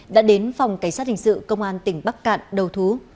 đã đến phòng cảnh sát hình sự công an tỉnh bắc cạn đầu thú